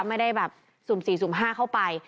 ไม่ได้แบบสุ่ม๔สุ่ม๕เข้าไป